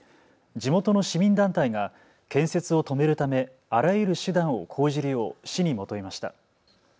地元の市民団体が建設を止めるためあらゆる手段を講じるよう市に求めました。